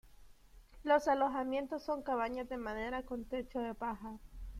Los alojamientos son cabañas de madera con techo de paja.